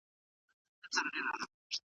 خاطرې مو د ژوند ملګري دي.